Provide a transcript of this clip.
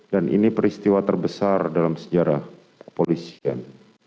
dan ini peristiwa terbesar dalam sejarah polisian